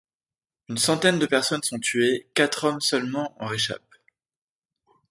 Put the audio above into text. Une centaine de personnes sont tuées, quatre hommes seulement en réchappent.